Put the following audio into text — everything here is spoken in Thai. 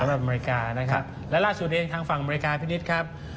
สำหรับอเมริกานะครับแล้วล่าสุดอีกทางฝั่งอเมริกาพี่นิดครับ